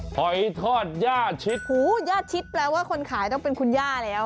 หอยทอดย่าชิดหูย่าชิดแปลว่าคนขายต้องเป็นคุณย่าแล้ว